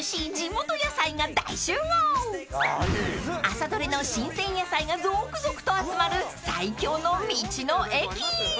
［朝どれの新鮮野菜が続々と集まる最強の道の駅］